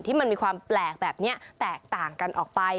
ที่มันมีความแปลกแบบนี้แตกต่างกันออกไป